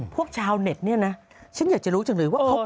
พวกชาวเน็ตเนี่ยนะฉันอยากจะรู้จังเลยว่าเขาเป็นใคร